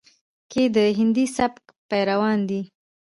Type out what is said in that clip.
کې د هندي سبک پېروان دي،